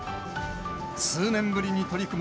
数年ぶりに取り組む